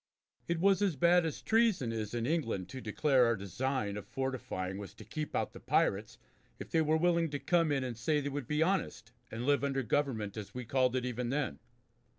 It was as bad as treason is in England to declare our design of fortifying was to keep out the pirates if they were willing to come in and say they would be honest and live under government as we called it even then.